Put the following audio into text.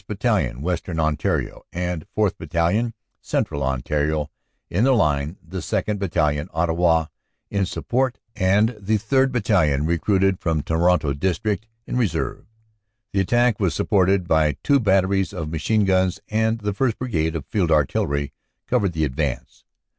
Battalion, Western Ontario, and 4th. Battalion, Central Ontario, in the line, the 2nd. Battalion, Ottawa, in support, and the 3rd. Battalion, recruited from Toronto district, in reserve. The attack was supported by two batteries of machine guns and the 1st. Brigade of Field Artillery covered the advance.